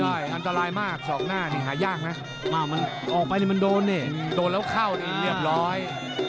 ใช่อันตรายมากสอกหน้านี่หายากนะมันออกไปนี่มันโดนนี่โดนแล้วเข้านี่เรียบร้อย